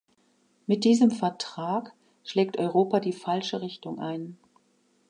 Mit diesem Vertrag schlägt Europa die falsche Richtung ein.